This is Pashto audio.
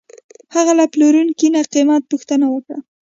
هغه له پلورونکي نه قیمت پوښتنه وکړه.